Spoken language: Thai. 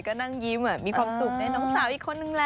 ก็นั่งยิ้มมีความสุขได้น้องสาวอีกคนนึงแหละ